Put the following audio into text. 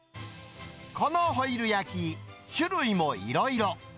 このホイル焼き、種類もいろいろ。